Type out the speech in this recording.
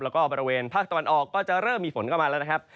แล้วก็บริเวณภาคตะวันออกก็จะเริ่มมีฝนเข้ามาแล้วนะครับ